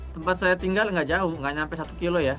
kita tinggal tidak jauh tidak sampai satu km ya